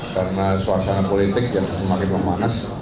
karena suasana politik yang semakin memanas